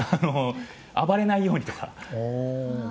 暴れないようにとか。